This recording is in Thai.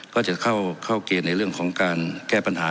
ก็จะเข้าเกณฑ์ในเรื่องของการแก้ปัญหา